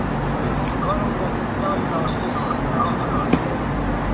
دکان او در ابتدای راسته آهنگرها قرار دارد